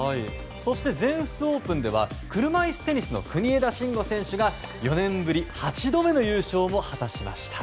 そして全仏オープンでは車いすテニスの国枝慎吾選手が４年ぶり８度目の優勝を果たしました。